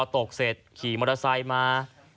ตกเสร็จขี่มอเตอร์ไซค์มา